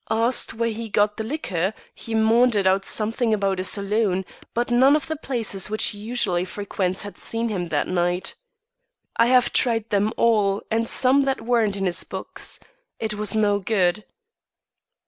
Asked where he got the liquor, he maundered out something about a saloon; but none of the places which he usually frequents had seen him that night. I have tried them all and some that weren't in his books. It was no good."